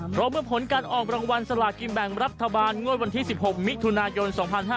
เพราะเมื่อผลการออกรางวัลสลากินแบ่งรัฐบาลงวดวันที่๑๖มิถุนายน๒๕๕๙